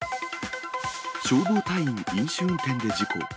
消防隊員、飲酒運転で事故。